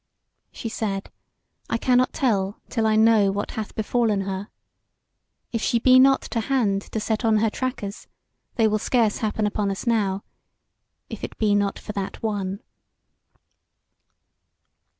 She said: "I cannot tell till I know what hath befallen her. If she be not to hand to set on her trackers, they will scarce happen on us now; if it be not for that one."